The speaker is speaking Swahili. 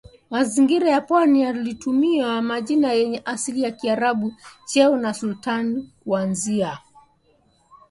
mazingira ya Pwani walitumia majina yenye asili ya Kiarabu cheo cha Sultan kuanzia miaka